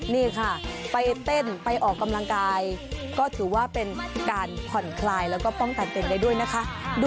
นี่ค่ะไปเต้นไปออกกำลังกายก็ถือว่าเป็นการผ่อนคลายแล้วก็ป้องกันตัวเองได้ด้วยนะคะ